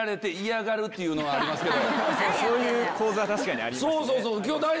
そういう構図は確かにありますね。